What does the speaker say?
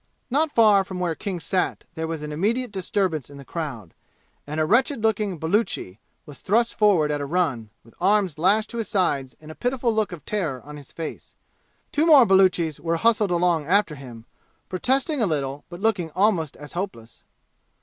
Not far from where King sat there was an immediate disturbance in the crowd, and a wretched looking Baluchi was thrust forward at a run, with arms lashed to his sides and a pitiful look of terror on his face. Two more Baluchis were hustled along after him, protesting a little, but looking almost as hopeless.